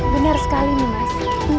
benar sekali mas